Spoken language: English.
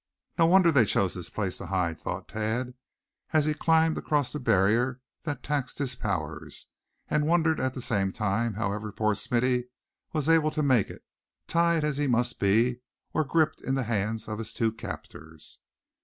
"No wonder they chose this place to hide," thought Thad, as he climbed across a barrier that taxed his powers; and wondered at the same time however poor Smithy was ever able to make it, tied as he must be, or gripped in the hands of his two captors.